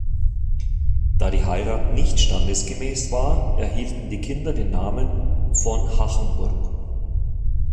Da die Heirat nicht standesgemäß war, erhielten die Kinder den Namen "von Hachenburg".